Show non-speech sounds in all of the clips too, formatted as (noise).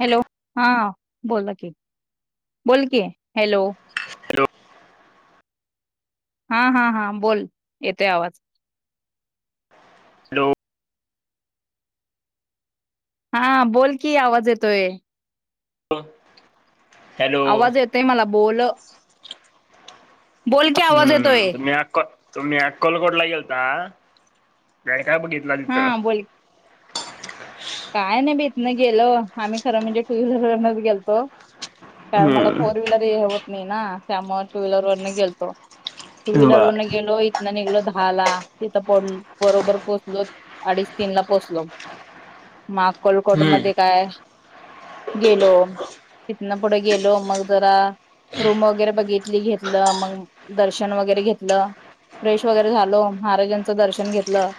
Hello हा बोला कि बोल कि हॅलो. हॅलो. हा हा हा बोल येते आवाज लोक हा बोल की आवाज येतोय. हॅ. आवाज येतय मला बोल. बोल की आवाज येतोय हम्म मी तुम्ही अकलकोटला गेलता काय बघितला हा तिथं. बोल काय नाही बीितन गेलो आम्ही खरं म्हणजे टू व्हीलरनच गेलतो. कारण मला फोर हम्म व्हीलर हे होत नाही ना त्यामुळे टू व्हीलर वरने गेलतो. टू व्हलर बर वन गेलो. निघलो दहा ला तिथं प बरोबर पोचलो अडीच तीन ला पोचलो. मग कोलकोट हम्म मध्ये काय गेलो. तिथ ना पुढे गेलो मग जरा रूम वगैरे बघितली घेतलं मग दर्शन वगैरे घेतलं र्रेश वगैरे झालो महाराजांचं दर्शन घेतलं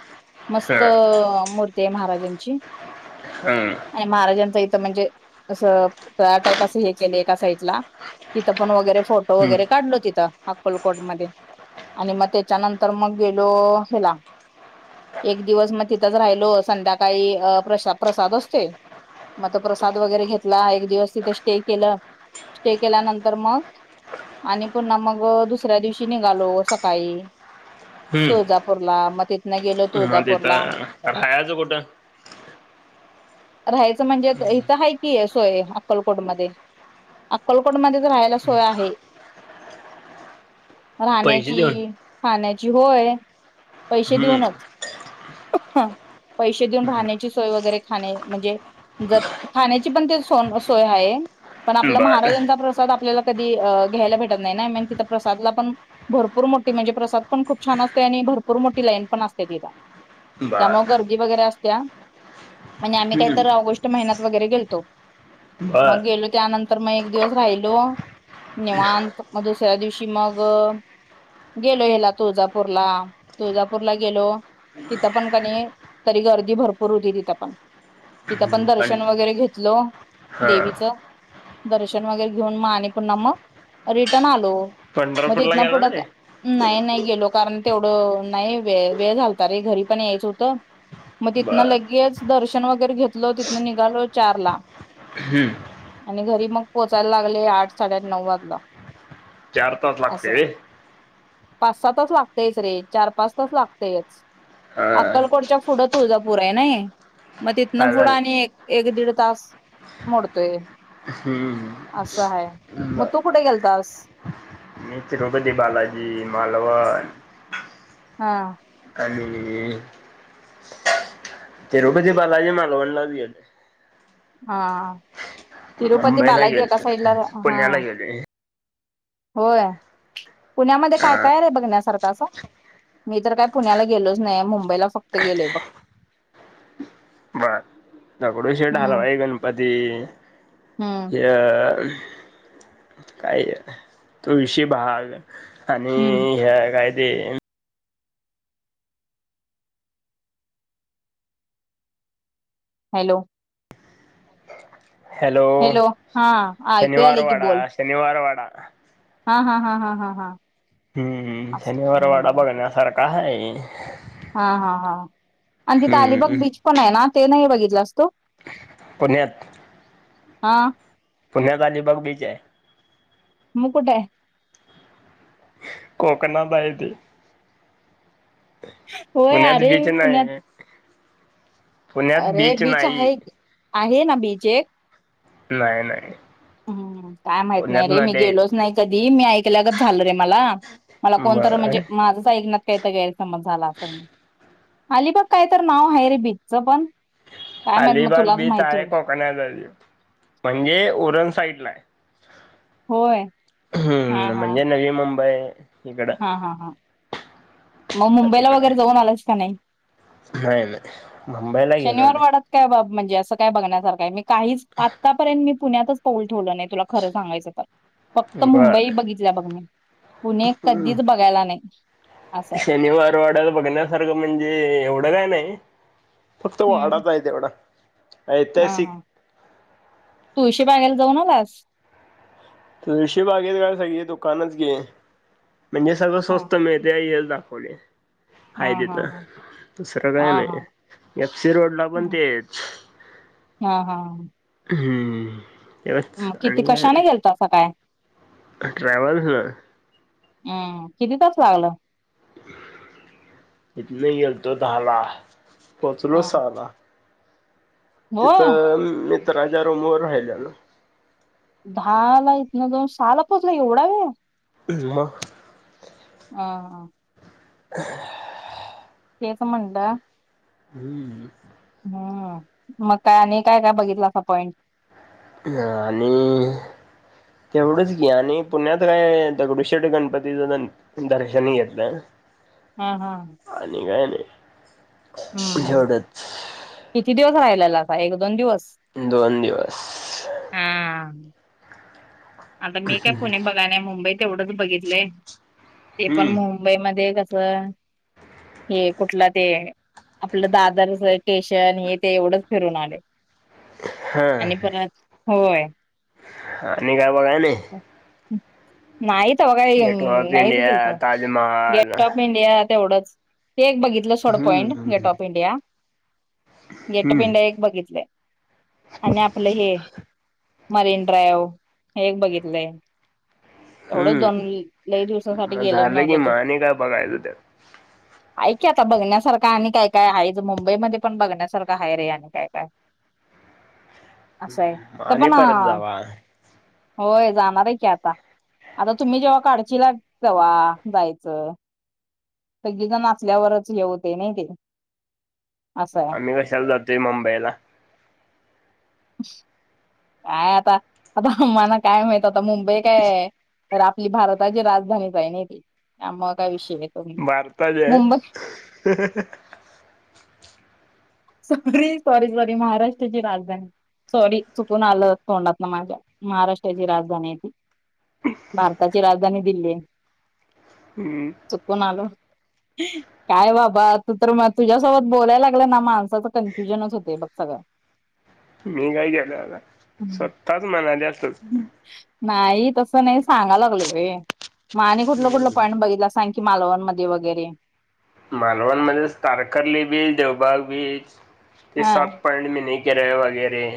मस्त ह मूर्ती आहे महाराजांची हम्म आणि महाराजांचं इथं म्हणजे असं टाईप असं हे केले एका साईडला तिथं पण वगैरे फोटो हम्म वगैरे काढलो तिथं अक्कलकोट मध्ये आणि मग त्याच्यानंतर मग गेलो हला एक दिवस मग तिथंच राहिलो संध्याकाळी अ प्रसा प्रसाद असते मग त प्रसाद वगैरे घेतला एक दिवस तिथे स्टे केलं स्टे केल्यानंतर मग आणि पुन्हा मग दुसऱ्या दिवशी निघालो सकाळी हम्म तुळजापूरला मग तिथन गेलो तुळजापूरला अठाचो गुटं राहायचं म्हणजे हिथं आहेती आहे सोय अक्कलकोटमध्येध्ये अक्कलकोटमध्येच राहायला सोय आहे (inaudible) देऊन राहण्याची खाण्याची होय पैसे देऊनच हम्म हा ऊन राहण्याची सोय वगैरे खा म्हणजे ज खाण्याची पण ते स सोय आहे पण आपला बर महाराजांचा प्रसाद आपल्याला कधी घ्यायला भेटत नाही ना म तिथं प्रसादला पण भरपूर मोठी म्हणजे प्रसाद पण खूप छान असते आणि भरपूर मोठी लाईन पण असते तिला त्यामुळे बर गर्दी वगैरे असत्या म्हणजे आम्ही काहीत राहूो व हम्म गो बर तर मग एक दिवस राहिलो निवांत मग दुसऱ्या दिवशी मग गेलो हला तुळजापूरला तुळजापूरला गेलो तिथं पण कणी तरी गर्दी भरपूर होती तिथं पण तिथं पण दर्शन वगैरे घेतल हा देवीच दर्शन वगैरे घेऊन मग आणि पुन्हा मग रिटर्न आलो मध्ये इथ पंढरपूरला ना गेला पुढं नाही नाही गेलो कारण तेवढं नाही वेळ झालत रे घरी पण यायचं होतं मग तिथनं बर लगेच दर्शन वगैरे घेतल तिथनं निघालो चार ला हम्म आणि घरी मग पोहोचायला लागले आठ साडेआठ नऊ वाजला चार तास असं लागते पाच सातच लागतेयच रे चार पाच तच लागतेयच हा अक्कलकोटच्या पुढं तुझा पुर आहे नाही मग तिथनं पुढं चालेल आणि एक दीड तास मोडतोय हम्म असं आहे मग बर तू कुठे गेलतास मी तिरुपती बालाजी मालवण हा कालली तेरोपी बालाजी मालवण लावीले हा तिरुपती मुंबईला बालाजी एका गेले साइड ला हा पुण्याला गेले होय पुण्यामध्ये काय हा काय र आहे बघण्यासारखा असं मी तर काय पुण्याला गेलोच नाही मुंबईला फक्त गेलेय बघ (inaudible) दगडू हम्म शटलवाय गणपती हम्म हे अ काय तुळशी भाग आणि हम्म ह्या काय ते हॅलो हॅलो ऐकू शनिवार आले की वाडा बोल शनिवार वाडा हा हा हा हा हा हा हम्म असं शनिवारवाडा हम्म बघण्यासारखा आहे हा हा हा आणि तिथे हम्म अलिबाग बीच पण आहे ना ते नाही बघितलं असतो पुण्यात हां पुण्यात अलिबाग बीच आहे म कुठे कोकणात हाय ते होय पुण्यात अरे बीच मी पुण्यात नाही पुण्यात अरे बीच नाही आहे आहे ना बीच एक नाही नाही हम् काय माहित नाही पुण्यात रे मी नद्या आहेत. गेलोच नाही कधी मी ऐकल्या काच झालो रे मला मला कोणत बर म्हणजे माझंच ऐकना का तर गैरसमज झाला असेल अली बघ काय तर नाव आहे रे बीचचं पण काय माहित मग अलिबाग तुलाच बीच माहिती आहे होईल कोकणज म्हणजे उरण साईड ला आहे होय हा हम्म हा म्हणजे नवी मुंबई इकडं हा हा हा मग मुंबईला तिकडं वगैरे जाऊन आलंस का नाही नाही नाही मुंबईला घेल शनिवार नाही वाडात काय बा म्हणजे असं काय बघण्यासारखं मी काहीच आत्तापर्यंत मी पुण्यातच पाऊल ठेवलं नाही तुला खरं सांगायचं तर फक्त मुंबई बर बघितल्या बघ मी पुणे वगला नाही असं आहे शनिवारवाड्यात बघण्यासारखं म्हणजे एवढं काय नाही फक्त हम्म वाडाच आहे तेवढा हा ऐतिहासिक हा तुळशी बाघायला जाऊ नलास तुळशी बागेत का सगळी दुकानच घे म्हणजे सगळं हा स्वस्त मिळत ते येल दाखवले हा आहेय हा तिथं हा दुसरं हा काय हा नाही एफसी रोड ला पण हम्म तेच हा हा हम्म तेवच आणि आलतासा काय ट्रॅव्हल्स ना हम्म किती तास लागलं इथन गेल्तो दहा ला पोचलो हम्म सहाला होय तिथं मी तर राजा रूम वर राहिल ना दहा ला इथन जाऊन साल पोचला एवढा वे मग ह हा (inaudible) तेच म्हटलं हम्म हम्म मग काय आणि काय काय बघितलं असा पॉइंट आणि आणि तेवढंच घी आणि पुण्यात काय दगडूशेठ गणपतीचा दर्शन ही घेतलं हा हा आणि काय नाही हम्म तेवढंच किती दिवस राहिलेलाा एक दोन दिवस दोन दिवस हा आता मी काय पुणे बघायणे मुंबईत एवढंच बघितलंय ते पण हम्म मु मुंबईमध्येध्ये कस हे कुठला ते आपलं दादर केशन हे ते एवढंच फिरून आले हा आणि परत होय आणि आणि काय बघाय नाही हम् नाहीत काही गेट वे ऑफ नाहीच इंडिया गेल त Taj Mahal gateway of India तेवढंच ते एक बघितलं सोड पॉईंट हम्म gate of India gate of हम्म इंडिया एक बघितलंय आणि आपलं हे मरीनड्रायव एक बघितलंय एवढंच हम्म दोनही दिवसाांसाठी मग गेल झालं की नव्हतं मग ते आणि काय बघायचं त्यात ऐ की आता बघण्यासारखं आणि काय काय आहेच मुंबईमध्ये पण बघण्यासारखं आहे रे आणि काय काय असं आहे तर आणि पण परत जावा होय जाणार आहे की आता आता तुम्ही जेव्हा काढची ला तेव्हा जायचं सगी तर नाचल्यावरच हेवते नाही ते असंय आम्ही कशाला जातोय मुंबईला काय आता मला काय माहित मुंबई काय तर आपली भारताची राजधानीच आहे नाही ते मग काय विषय भारता ज मुंबई आहे सॉरी सॉरी सॉरी महाराष्ट्राची राजधानी सॉरी चुकून आलं तोंडात ना माझ्या महाराष्ट्राची राजधानी आहे ती भारताची राजधानी दिल्ली हम चुकून आलो काय बाबा तू तर म तुझ्यासोबत बोलायला लागलं ना माणस कन्फ्युजनच होते बघ सगं मी काय केलं आता स्वतःच म्हणाली असतच नाही तस नाही सांगाला लागले रे म आणि कुठलं कुठलं पॉईंट बघितला सांग कि मालवण मध्ये वगैरे मालवणमध्येध्येच तारकर्ली बीच देवबाग बीच ते हा सात पॉइंट मी नाही र वगैरे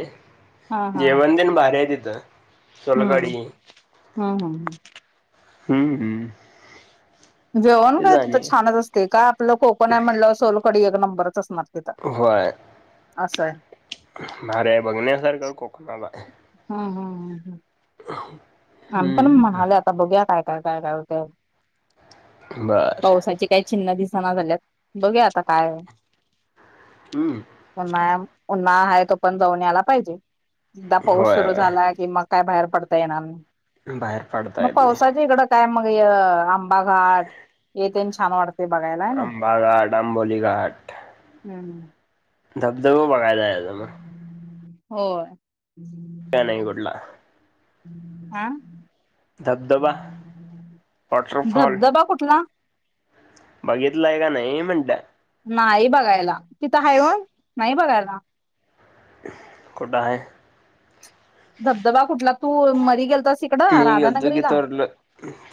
हा जेवण देण भारी आहे तिथं हा सोलकढी हा हा हा हम्म जेवण तेच काय तिथं आणि छानच असते का आपलं कोकण आहे म्हणलं सोलकडी एक नंबरच असणार तिथं होय असशय मार्या बघण्या सर का कोकणाला हा हा ह हा रा आम् पण मग म्हणाले आता बघू काय काय काय काय होते बर पावसाची त्या चिन्ह दिसाना झाल्यात बघया आता काय हम् उन्मा उन्मा आहे तो पण जाऊन आला पाहिजे एकदा पाऊस होय सुरु होय झालाय कि मग काय बाहेर पडता येणार बाहेर पडत मग पावसाच्या इकडं काय मग आंबा घाट येथ छान वाटत आंबा घाट आंबोली घाट हम् हम धबधब मंगायलाय होय काय नाही घडला हा धबधबा वॉटरफॉल धबधबा कुठला बघितलंय का नाही म्हणता नाही बघायला तिथं आहे होय नाही बघायला खोट आहे धबधबा कुठला तू मरी गेल तर मी गेतो की तोरलं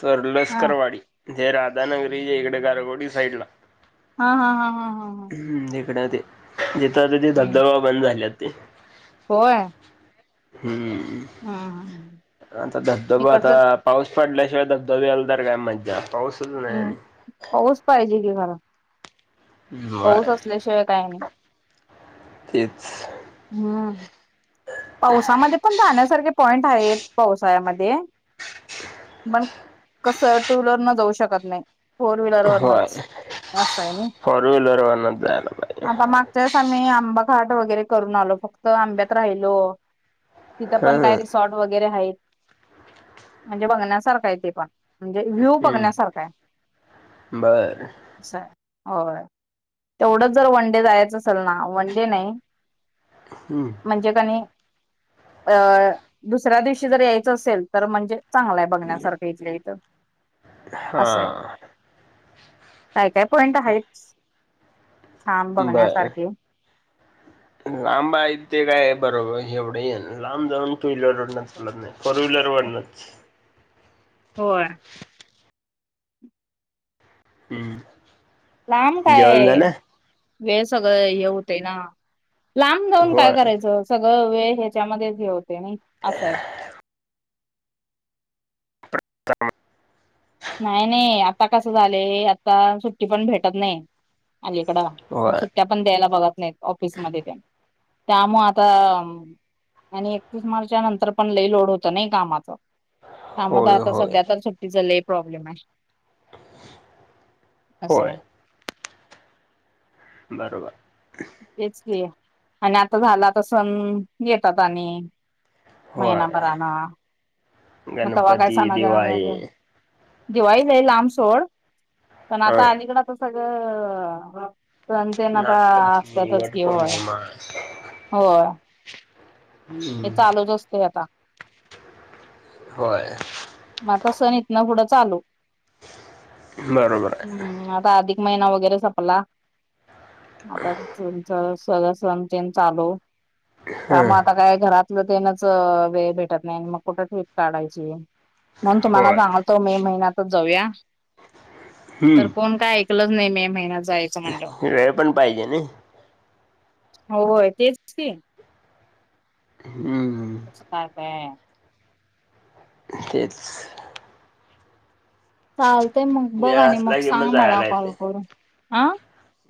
तर हा लष्करवाडी हे राधानगरी इकडे गारगोडी साईड ला हा हा हा हा हा हा हम तिकड ते जथ ते हम्म धबधबा बंद झाल्यात ते होय हम्म हा हां आता धबधबा आता पाऊस पडल्याशिवाय धबधबे आला तरर काय मज पाऊस हम्म होऊच पाहिजे की घर बाय काय नाही तेच हम्म पावसामध्ये पण जाण्यासारखे पॉइंट आहेत पावसाळ्यामध्ये कस टूलर न जाऊ शकत नाही फोर वहीलर होय वरनच अस आहे न फोर व्हीलर वरनच जायला पाहिजे आता मागच्यास आम्ही आंबा घाट वगैरे करून आलो फक्त आंब्यात राहिलो तिथं पण काय हा रिसॉर्ट वगैरे आहेत म्हणजे बघण्यासारखा आहे ते पण म्हणजे व्ह्यू बघण्यासारखा आहेय बर हो तेवढंच जर वन डे जायचं असेल ना वनडे नाही हम्म म्हणजे कणी अ दुसऱ्या दिवशी जर यायचं असेल तर म्हणजे चांगलंय बघण्यासारखं इथल्या इथं असं आहे हां काय काय पॉइंट आहे छान बर बघण्यासारखे लांब आहेत तेे काय बरोबर एवढं लांब जाऊन टू व्हीलर रड नाही फोर व्हीलरवरनच होय हम्म लांब काय जेवण झालं वेळ सगळं हे होत ना लांब जाऊन काय होय करायचं सगळं वेळ ह्याच्यामध्येच घे होते नाही असं आहे नाही नाही आता कसं झालं आता सुट्टी पण भेटत नाही अलीकड होय सुट्ट्या पण द्यायला बघत नाहीत ऑफिसमध्येध्ये त्या त्यामु आता आणि एकतीस मार्चा नंतर पण लईलोड होत नाही कामाचं सांमता होय आता होय सध्या तर सुट्टीच लय प्रॉब्लेम आहे. होय असं. बरोबर. तेच क आणि आता झाला तर सण येतात आणि होय महिनाभरा ना मग तेव्हा काय गणपती दिवाळी समाजणारगे दिवाळी जाई लांब सोड पण हा आता अलीकड तर सगळं. पण ते ना आता नागपंचमी असत्यातच घ होय वटपौर्णिमा होय. हे हम्म, चालूच असते आता होय. मग आता सण इथ ना पुढं चालू बरोबर आहे हम्म आता आधी महिना वगैरे संपला आता तुच सचेन चालू. त्या हां म आता काय घरातलं तेनच वेळ भेटत नाही मग कुठ? काढायची म्हणून तुम्हाला होय सांगलतो मे महिन्यातच जाऊया. हम्म. तर कोण काय ऐकलच नाही मे महिन्यात जायं वेळ पण पाहिजे नई. होय तेच की. हम्म हम्म. कस काय काय. तेच. चालतय मग बघ वेळ आणि मग असला की सांग मला जायला कॉल येते करून हा.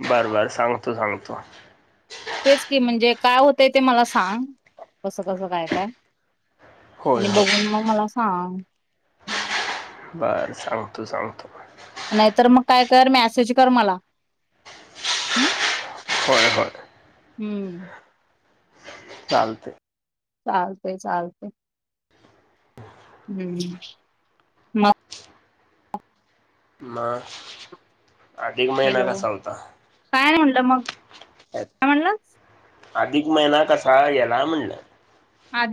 बरं बरं सांगतो सांगतो. तेच की म्हणजे काय होतंय ते मला सांग कसं कसं काय काय होय आणि होय बघून मग मला सांग. बर सांगतो सांगतो. नाहीतर मग काय कर मॅसेज कर मला हम्म होय होय. हम्म. चालतय. चालतय चालतय. हम्म. मग मग अधिक महिना हॅलो कसा होता. काय नाही म्हणलं मग काय म्हणलं आधिक महिना कसा गेला म्हणलं. आधी